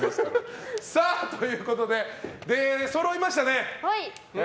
ということで、出そろいましたね。